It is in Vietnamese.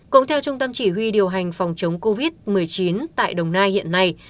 cũng theo trung tâm chỉ huy điều hành phòng chống covid một mươi chín tại đồng nai hiện nay